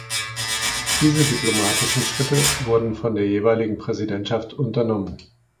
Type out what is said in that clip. Diese diplomatischen Schritte wurden von der jeweiligen Präsidentschaft unternommen.